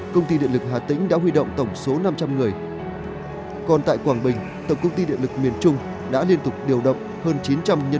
công ty điện lực hà tĩnh đã huy động tổng số năm trăm linh người